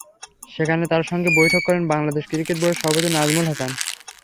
সেখানে তাঁর সঙ্গে বৈঠক করেন বাংলাদেশ ক্রিকেট বোর্ডের সভাপতি নাজমুল হাসান।